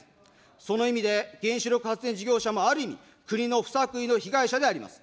その意味で、原子力発電事業者もある意味、国の不作為の被害者であります。